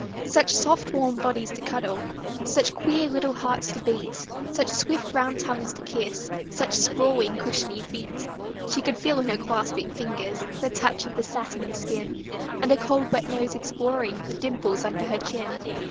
Such soft, warm bodies to cuddle, Such queer little hearts to beat, Such swift round tongues to kiss, Such sprawling, cushiony feet; She could feel in her clasping fingers The touch of the satiny skin, And a cold, wet nose exploring The dimples under her chin.